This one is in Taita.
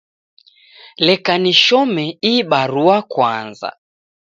Leka nishome ihi barua kwaza